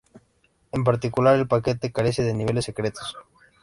En particular, el paquete carece de niveles secretos.